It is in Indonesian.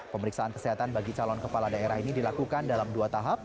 pemeriksaan kesehatan bagi calon kepala daerah ini dilakukan dalam dua tahap